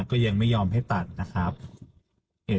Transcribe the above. กลิ่นไม้ไงมันแผ่